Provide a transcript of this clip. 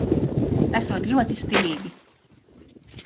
Esot ļoti stilīgi.